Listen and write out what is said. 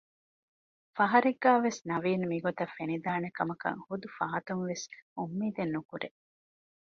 ފަހަރެއްގައިވެސް ނަވީން މިގޮތަށް ފެނިދާނެކަމަށް ޙުދު ފާތުންވެސް އުއްމީދެއް ނުކުރޭ